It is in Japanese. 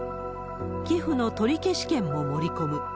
寄付の取り消し権も盛り込む。